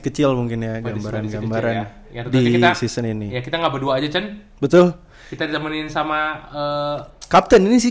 kecil mungkin ya gambaran gambaran di season ini kita nggak berdua aja betul kita jamin sama